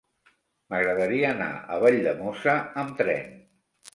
M'agradaria anar a Valldemossa amb tren.